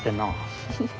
フフフ。